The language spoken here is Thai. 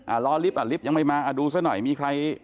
อ่ารอลิปริปยังไม่มาดูซะหน่อยมีใคร